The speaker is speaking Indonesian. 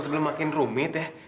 sebelum makin rumit ya